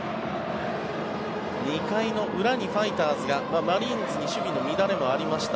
２回の裏にファイターズがマリーンズに守備の乱れもありました。